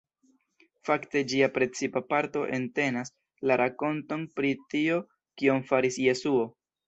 Fakte ĝia precipa parto entenas la rakonton pri tio kion faris Jesuo.